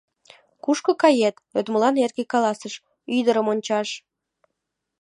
«Кушко кает?» йодмылан эрге каласыш: «Ӱдырым ончаш».